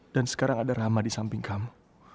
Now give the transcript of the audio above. dan sekarang ada rama disamping kamu